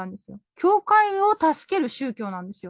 教会を助ける宗教なんですよ。